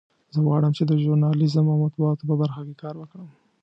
زه غواړم چې د ژورنالیزم او مطبوعاتو په برخه کې کار وکړم